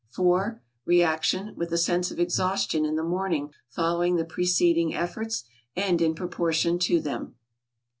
"4 Reaction, with a sense of exhaustion in the morning following the preceding efforts, and in proportion to them."